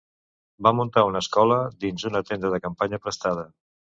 Va muntar una escola dins una tenda de campanya prestada.